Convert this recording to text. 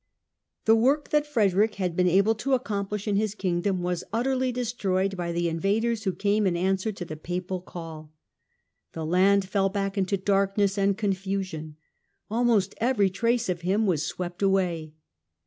The work that Frederick had been able to accomplish in his Kingdom was utterly destroyed by the invaders who came in answer to the Papal call : the land fell back into darkness and confusion : almost every trace of him was swept away.